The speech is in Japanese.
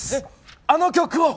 あの曲を！